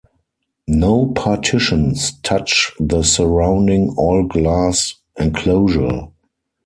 No partitions touch the surrounding all-glass enclosure.